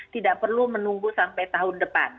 tidak perlu menunggu sampai tahun depan